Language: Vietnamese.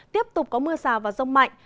tiếp tục có mưa rào và rông mạnh